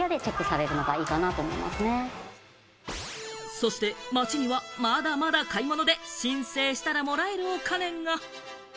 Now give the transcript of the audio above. そして街には、まだまだ買い物で申請したらもらえるお金が。